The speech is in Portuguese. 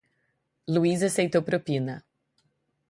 Luís aceitou propina.